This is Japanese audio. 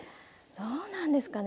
どうなんですかね